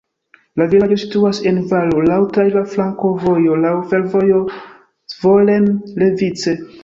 La vilaĝo situas en valo, laŭ traira flankovojo, laŭ fervojo Zvolen-Levice.